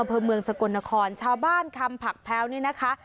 อำเภอเมืองสกลนครชาวบ้านคำผักแพ้วนี่นะคะ